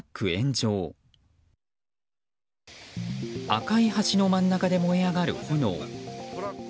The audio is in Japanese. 赤い橋の真ん中で燃え上がる炎。